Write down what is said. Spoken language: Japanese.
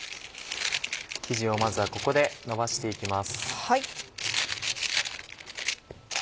生地をまずはここでのばして行きます。